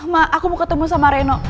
mak aku mau ketemu sama reno